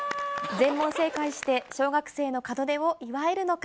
全問正解して、小学生の門出を祝えるのか。